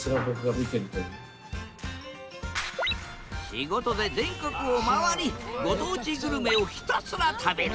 仕事で全国を回りご当地グルメをひたすら食べる。